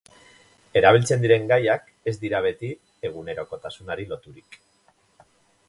Erabiltzen diren gaiak ez dira beti egunerokotasunari loturik.